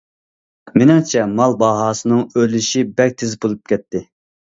مېنىڭچە مال باھاسىنىڭ ئۆرلىشى بەك تېز بولۇپ كەتتى.